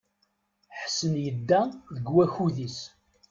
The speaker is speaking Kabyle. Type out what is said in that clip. Ḥsen yedda deg wakud-is.